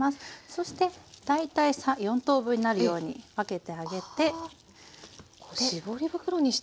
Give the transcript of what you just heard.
そして大体４等分になるように分けてあげてあ絞り袋にして。